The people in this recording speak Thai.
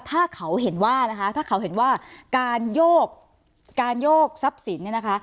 ถ้าเขาเห็นว่านะคะถ้าเขาเห็นว่าการโยกการโยกทรัพย์สินเนี่ยนะคะ